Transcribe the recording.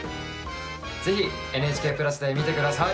ぜひ「ＮＨＫプラス」で見て下さい！